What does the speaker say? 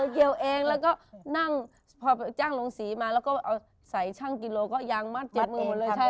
ก็เกี่ยวเองแล้วก็นั่งพอจ้างลงสีมาแล้วก็ใส่ชั่งกิโลก็ยางมัดเจ็บมือเลย